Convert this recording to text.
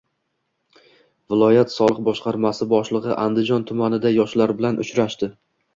Viloyat soliq boshqarmasi boshlig‘i Andijon tumanida yoshlar bilan uchrashdi